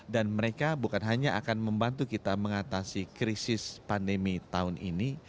dan mereka bukan hanya akan membantu kita mengatasi krisis pandemi tahun ini